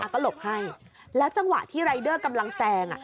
ก็หลบให้แล้วจังหวะที่รายเดอร์กำลังแซง